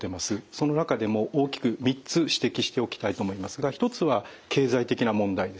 その中でも大きく３つ指摘しておきたいと思いますが一つは経済的な問題ですね。